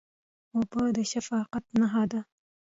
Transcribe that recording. اوبه د شفقت نښه ده.